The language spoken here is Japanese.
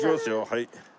はい。